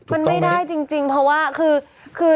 มันไม่ได้จริงเพราะว่าคือ